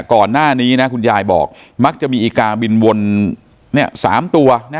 ก่อนหน้านี้นะคุณยายบอกมักจะมีอีกาบินวน๓ตัว